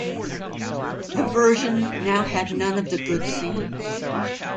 The version now had none of the good scenes.